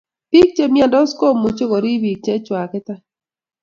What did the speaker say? pik che myandos kimuche kerip pik che chwaket any